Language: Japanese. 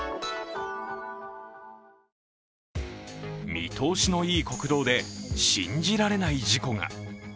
見通しのいい国道で信じられない事故が。